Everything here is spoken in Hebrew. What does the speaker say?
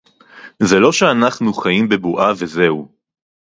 זה לא שאנחנו חיים בבועה וזהו